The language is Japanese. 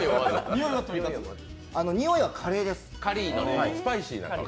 においはカレーです。